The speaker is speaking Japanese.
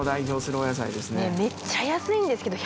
めっちゃ安いんですけど。